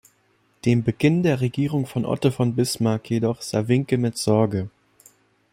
Dem Beginn der Regierung von Otto von Bismarck jedoch sah Vincke mit Sorge.